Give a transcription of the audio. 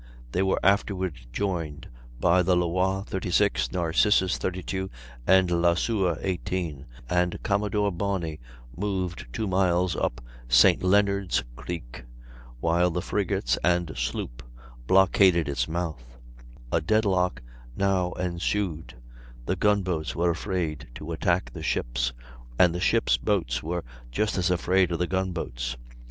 They were afterward joined by the Loire, 38, Narcissus, 32, and Lasseur, 18, and Commodore Barney moved two miles up St. Leonard's Creek, while the frigates and sloop blockaded its mouth. A deadlock now ensued; the gunboats were afraid to attack the ships, and the ships' boats were just as afraid of the gun boats.